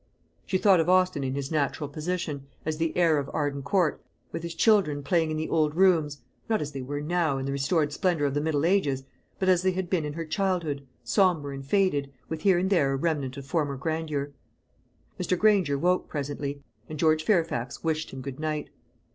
She thought of Austin in his natural position, as the heir of Arden Court, with his children playing in the old rooms not as they were now, in the restored splendour of the Middle Ages, but as they had been in her childhood, sombre and faded, with here and there a remnant of former grandeur. Mr. Granger woke presently, and George Fairfax wished him good night.